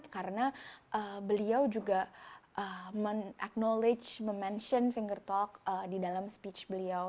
karena beliau juga mengaknowledge memanage finger talk di dalam speech beliau